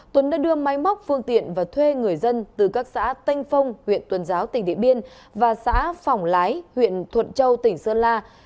tuấn đã đưa máy móc phương tiện và thuê người dân từ các xã tây phong huyện tuần giáo tỉnh điện biên và xã phỏng lái huyện thuận châu tỉnh sơn la